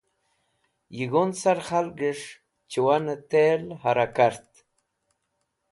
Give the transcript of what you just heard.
Yig̃hun sar khalgẽs̃h chẽwanẽ tel hara kart.